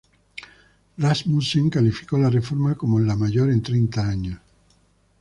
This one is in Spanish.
Rasmussen calificó la reforma como la mayor en treinta años.